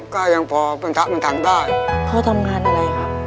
ก็ยังพอปัญถามันถังได้พ่อทำงานอะไรค่ะ